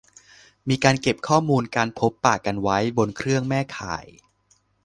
มีการเก็บข้อมูลการพบปะกันไว้บนเครื่องแม่ข่าย